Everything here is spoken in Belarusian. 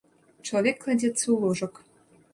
Чалавек кладзецца ў ложак.